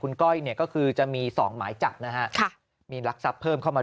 คุณก้อยเนี่ยก็คือจะมี๒หมายจับนะฮะมีลักษับเพิ่มเข้ามา